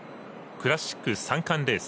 クラシック三冠レース。